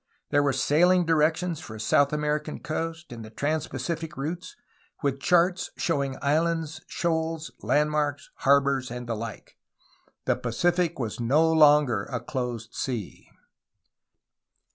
There were sailing directions for the South American coast and the trans Pacific routes, with charts showing islands, shoals, landmarks, harbors, and the like. The Pacific was no longer a closed sea.